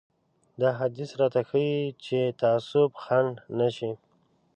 دا حديث راته ښيي چې تعصب خنډ نه شي.